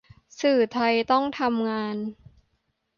สื่อไทยต้องทำงาน